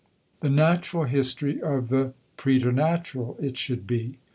] "The Natural History of the Præternatural" it should be.